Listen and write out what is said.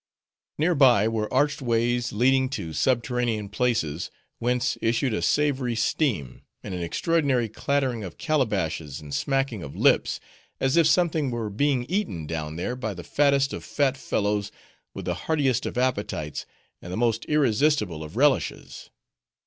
Near by, were arched ways, leading to subterranean places, whence issued a savory steam, and an extraordinary clattering of calabashes, and smacking of lips, as if something were being eaten down there by the fattest of fat fellows, with the heartiest of appetites, and the most irresistible of relishes.